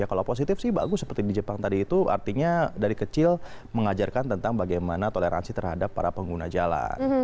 kalau positif sih bagus seperti di jepang tadi itu artinya dari kecil mengajarkan tentang bagaimana toleransi terhadap para pengguna jalan